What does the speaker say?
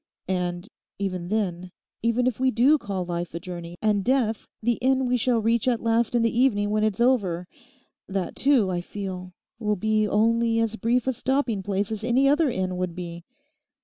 And even then, even if we do call life a journey, and death the inn we shall reach at last in the evening when it's over; that, too, I feel will be only as brief a stopping place as any other inn would be.